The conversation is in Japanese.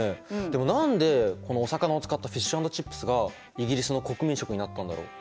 でも何でこのお魚を使ったフィッシュ＆チップスがイギリスの国民食になったんだろう？